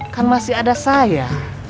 kan masih ada saya